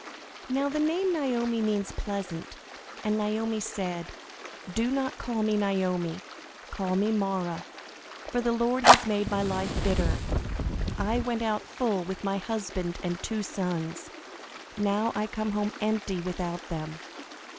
Now the name Naomi means "pleasant." And Naomi said: "Call me not Naomi; call me Mara, for the Lord has made my life bitter. I went out full, with my husband and two sons; now I come home empty, without them.